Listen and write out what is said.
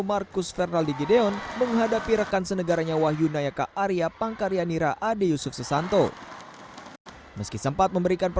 marcus fernaldi gideon menghadapi rekan senegaranya wahyu nayaka arya pangkarianira ade yusuf sesanto